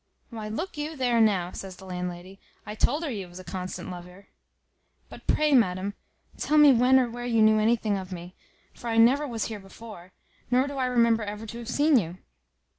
"Why, look you there now," says the landlady; "I told her you was a constant lovier." "But pray, madam, tell me when or where you knew anything of me; for I never was here before, nor do I remember ever to have seen you."